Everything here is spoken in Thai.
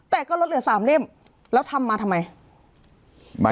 แต่ก็ลดเหลือ๓เล่มแล้วทำมาทำไม